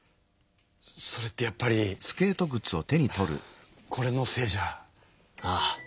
それってやっぱりこれのせいじゃ？ああ。